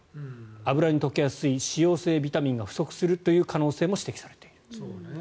油に溶けやすい脂溶性ビタミンが不足する可能性というのも指摘されている。